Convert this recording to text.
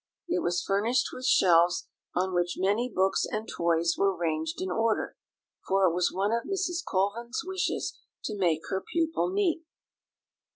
It was furnished with shelves, on which many books and toys were ranged in order for it was one of Mrs. Colvin's wishes to make her pupil neat.